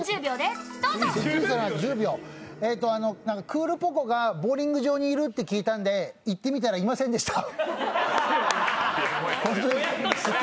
クールポコがボウリング場にいるって聞いたので行ってみたら、いませんでした。